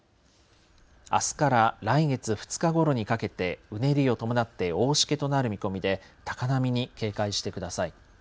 あすから来月２日ごろにかけてうねりを伴って大しけとなる見込みで高波に警戒してください。